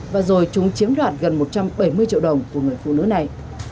và rồi chúng chiếm đoạt gần một trăm bảy mươi triệu đồng của người phụ nữ này